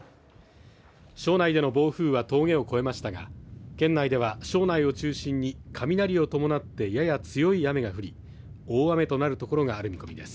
庄内での暴風は峠を越えましたが県内では庄内を中心に雷を伴って、やや強い雨が降り大雨となる所がある見込みです。